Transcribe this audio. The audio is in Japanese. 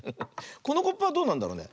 このコップはどうなんだろうね。